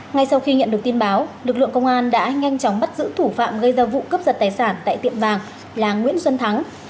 ngay sau khi nhận được tin báo lực lượng công an đã nhanh chóng bắt giữ thủ phạm gây ra vụ cướp giật tài sản tại tiệm vàng là nguyễn xuân thắng